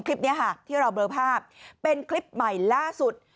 คลิปนี้ค่ะที่เราเบลอภาพเป็นคลิปใหม่ล่าสุด